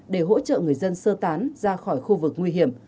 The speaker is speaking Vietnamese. để hỗ trợ người dân sơ tán ra khỏi khu vực nguy hiểm